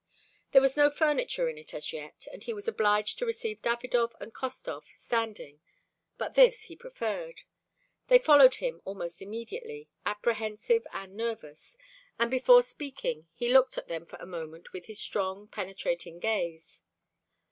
There was no furniture in it as yet, and he was obliged to receive Davidov and Khostov standing, but this he preferred. They followed him almost immediately, apprehensive and nervous, and before speaking he looked at them for a moment with his strong, penetrating gaze.